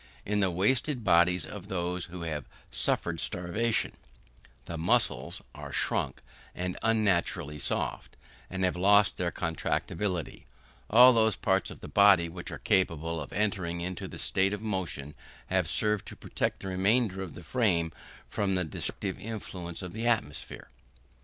In the wasted bodies of those who have suffered starvation, the muscles are shrunk and unnaturally soft, and have lost their contractibility; all those parts of the body which were capable of entering into the state of motion have served to protect the remainder of the frame from the destructive influence of the atmosphere.